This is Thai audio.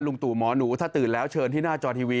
ตู่หมอหนูถ้าตื่นแล้วเชิญที่หน้าจอทีวี